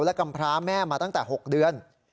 และกำพร้าแม่มาตั้งแต่๖เดือน